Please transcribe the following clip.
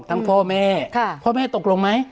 พ่อแม่พ่อแม่ตกลงไหม